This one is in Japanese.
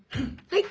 はい！